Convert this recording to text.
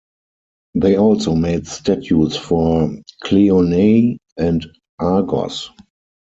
They also made statues for Cleonae and Argos.